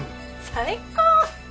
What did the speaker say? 最高！